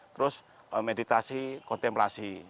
terus meditasi kontemplasi